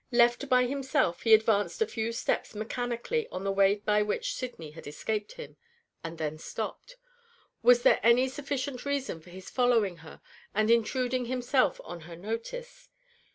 Left by himself, he advanced a few steps mechanically on the way by which Sydney had escaped him and then stopped. Was there any sufficient reason for his following her, and intruding himself on her notice?